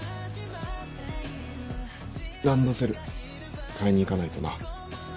ランドセル買いに行かないとな。